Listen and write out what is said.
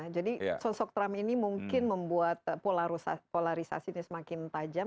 jadi sosok trump ini mungkin membuat polarisasi ini semakin tajam